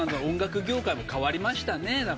音楽業界も変わりましたね。